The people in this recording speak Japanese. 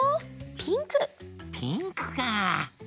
ピンクか。